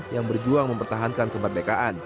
yang berjuang mempertahankan kemerdekaan